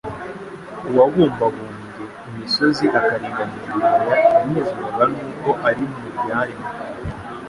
Uwabumbabumbye imisozi, akaringaniza ibibaya yanezezwaga nuko ari mu byaremwe,